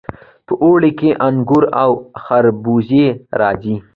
په اوړي کې انګور او خربوزې راځي.